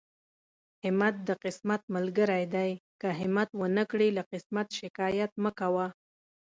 همت د قسمت ملګری دی، که همت ونکړې له قسمت شکايت مکوه.